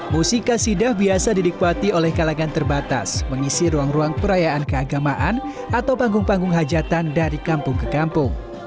musik kasidah biasa didikmati oleh kalangan terbatas mengisi ruang ruang perayaan keagamaan atau panggung panggung hajatan dari kampung ke kampung